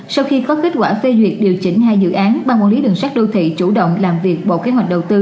sau khi có kết quả phê duyệt điều chỉnh hai dự án ban quản lý đường sát đô thị chủ động làm việc bộ kế hoạch đầu tư